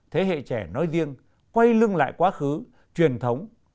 thế hệ trẻ nói riêng quay lưng lại quá khứ truyền thống